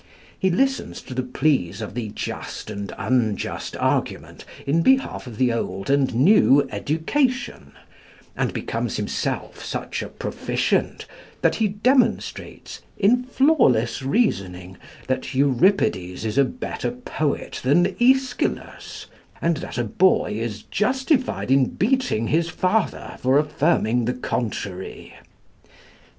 He listens to the pleas of the just and unjust argument in behalf of the old and new education, and becomes himself such a proficient that he demonstrates, in flawless reasoning, that Euripides is a better poet than Aeschylus, and that a boy is justified in beating his father for affirming the contrary.